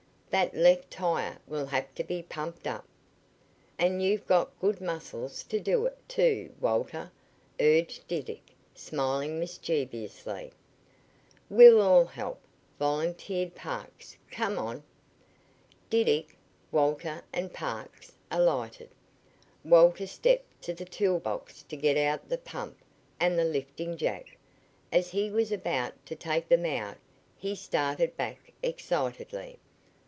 That left tire will have to be pumped up." "And you've got good muscles to do it, too, Walter," urged Diddick, smiling mischievously. "We'll all help," volunteered Parks. "Come on!" Diddick, Walter and Parks alighted. Walter stepped to the tool box to get out the pump and the lifting jack. As he was about to take them out he started back excitedly.